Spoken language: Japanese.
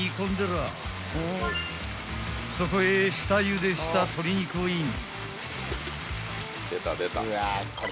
［そこへ下ゆでした鶏肉をイン］